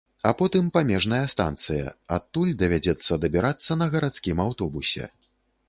А потым памежная станцыя, адтуль давядзецца дабірацца на гарадскім аўтобусе.